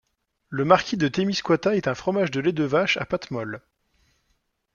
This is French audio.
Le Marquis de Témiscouata est un fromage de lait de vache à pâte molle.